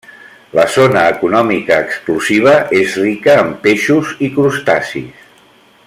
La zona econòmica exclusiva és rica en peixos i crustacis.